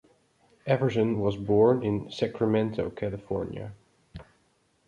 Everson was born in Sacramento, California.